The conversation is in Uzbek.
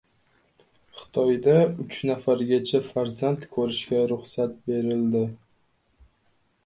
Xitoyda uch nafargacha farzand ko‘rishga ruxsat berildi